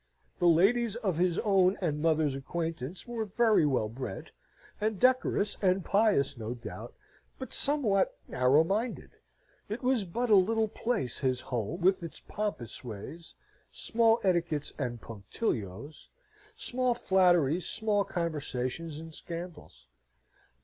The ladies of his own and mother's acquaintance were very well bred, and decorous, and pious, no doubt, but somewhat narrow minded. It was but a little place, his home, with its pompous ways, small etiquettes and punctilios, small flatteries, small conversations and scandals.